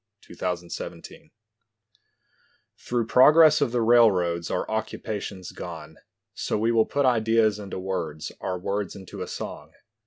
THE CAMP FIRE HAS GONE OUT Through progress of the railroads our occupation's gone; So we will put ideas into words, our words into a song.